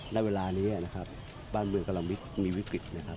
ณเวลานี้นะครับบ้านเมืองกำลังมีวิกฤตนะครับ